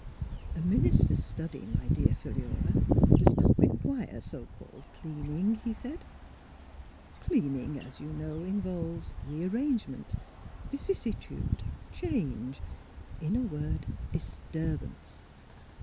" A minister's study, my dear Philura, does not require so called cleaning," he said. '' Cleaning, as you know, involves rearrangement, vicissitude, 6 THE HEAKT OF PHILURA change; in a word, disturbance.